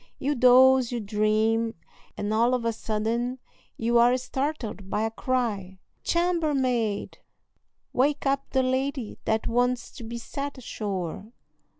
You doze, you dream, and all of a sudden you are startled by a cry, "Chambermaid! wake up the lady that wants to be set ashore."